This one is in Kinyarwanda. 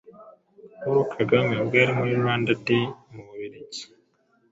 Paul Kagame ubwo yari muri Rwanda Day mu Bubiligi,